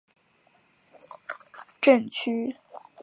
杰佛逊镇区为美国堪萨斯州杰佛逊县辖下的镇区。